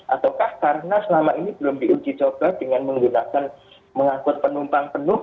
ataukah karena selama ini belum diuji coba dengan menggunakan mengangkut penumpang penuh